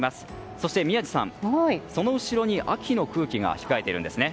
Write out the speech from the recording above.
そして宮司さん、その後ろに秋の空気が控えているんです。